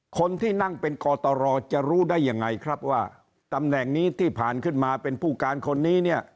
คนที่นั่งเป็นกตรจะรู้ได้ยังไงครับว่าตำแหน่งนี้ที่ผ่านมาเป็นผู้การคนนี้เนี่ย